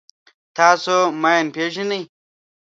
تاسو ماین پېژنئ.